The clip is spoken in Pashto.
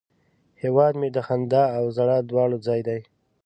هیواد مې د خندا او ژړا دواړه ځای دی